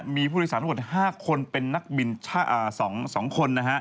มีผู้โดยสารทั้งหมด๕คนเป็นนักบิน๒คน